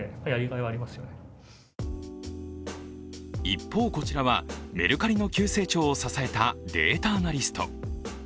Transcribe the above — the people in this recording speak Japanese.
一方、こちらはメルカリの急成長を支えたデータアナリスト。